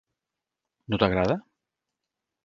No t'agrada?